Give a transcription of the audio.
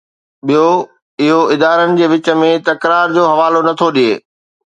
ٻيو، اهو ادارن جي وچ ۾ تڪرار جو حوالو نٿو ڏئي.